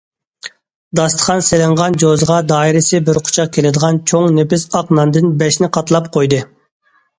داستىخان سېلىنغان جوزىغا دائىرىسى بىر قۇچاق كېلىدىغان چوڭ نېپىز ئاق ناندىن بەشنى قاتلاپ قويدى.